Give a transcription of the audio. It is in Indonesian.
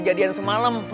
hari yang bagus